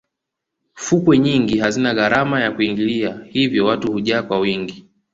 fukwe nyingi hazina gharama ya kuingilia hivyo watu hujaa kwa wingi